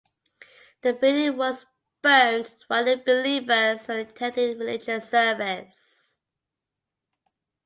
The building was "burnt while the believers were attending the religious service".